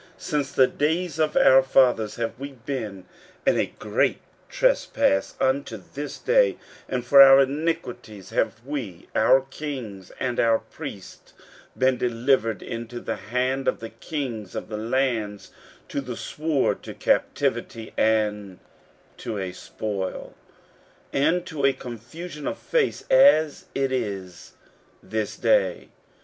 15:009:007 Since the days of our fathers have we been in a great trespass unto this day; and for our iniquities have we, our kings, and our priests, been delivered into the hand of the kings of the lands, to the sword, to captivity, and to a spoil, and to confusion of face, as it is this day.